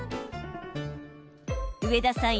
上田さん